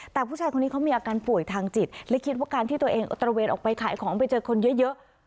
แต่ผู้ชายคนนี้เขามีอาการป่วยทางจิตและคิดว่าการที่ตัวเองตระเวนออกไปขายของไปเจอคนเยอะ